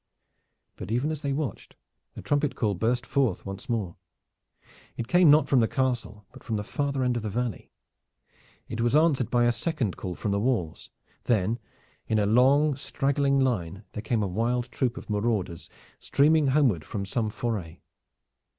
But even as they watched, the trumpet call burst forth once more. It came not from the castle but from the farther end of the valley. It was answered by a second call from the walls. Then in a long, straggling line there came a wild troop of marauders streaming homeward from some foray.